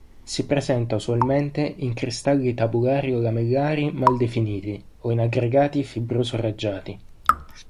Si presenta usualmente in cristalli tabulari o lamellari mal definiti o in aggregati fibroso-raggiati.